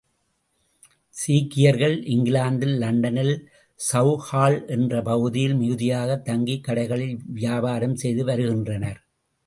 சீக்கியர்கள் இங்கிலாந்தில் லண்டனில் செளத்ஹால் என்ற பகுதியில் மிகுதியாகத் தங்கிக் கடைகளில் வியாபாரம் செய்து வரு கின்றனர்.